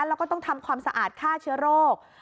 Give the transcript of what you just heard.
แล้วก็ต้องทำความสะอาดฆ่าเชื้อโรค